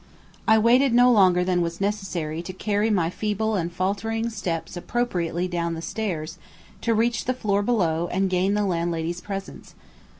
I waited no longer than was necessary to carry my feeble and faltering steps appropriately down the stairs, to reach the floor below and gain the landlady's presence.